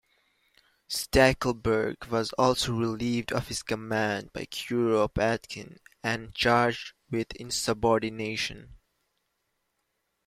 Stackelberg was also relieved of his command by Kuropatkin, and charged with insubordination.